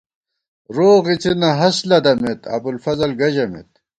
روغ اِڅِنہ ہست لدَمېت ، ابُوالفضل گہ ژَمېت